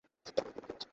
জান, এগুলো পাখির আওয়াজ।